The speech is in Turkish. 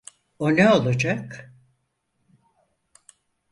O ne olacak?